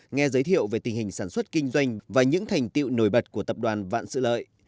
nghe giới thiệu về tình hình sản xuất kinh doanh và những thành tiệu nổi bật của tập đoàn vạn sự lợi